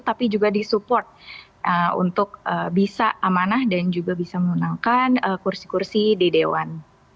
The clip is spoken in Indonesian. tapi juga disupport untuk bisa amanah dan juga bisa memenangkan kursi kursi di dewan